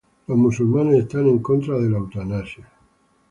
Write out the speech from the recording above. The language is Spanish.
Los musulmanes están en contra de la eutanasia.